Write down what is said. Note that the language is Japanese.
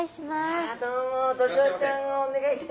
ドジョウちゃんをお願いいたします